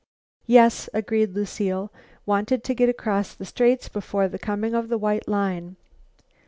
"Yes," agreed Lucile. "Wanted to get across the Straits before the coming of the White Line."